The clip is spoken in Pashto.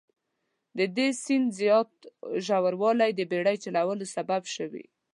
د دې سیند زیات ژوروالی د بیړۍ چلولو سبب شوي.